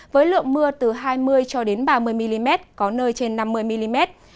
với lượng mưa từ hai mươi ba mươi mm có nơi trên năm mươi mm